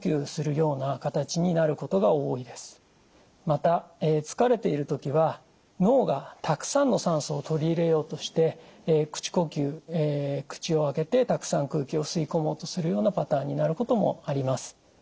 また疲れている時は脳がたくさんの酸素を取り入れようとして口呼吸口を開けてたくさん空気を吸い込もうとするようなパターンになることもあります。